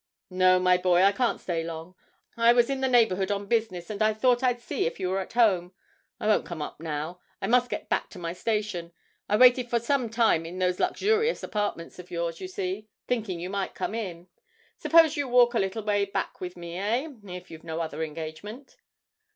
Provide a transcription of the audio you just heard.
'No, my boy, I can't stay long. I was in the neighbourhood on business, and I thought I'd see if you were at home. I won't come up again now, I must get back to my station. I waited for some time in those luxurious apartments of yours, you see, thinking you might come in. Suppose you walk a little way back with me, eh? if you've no better engagement.'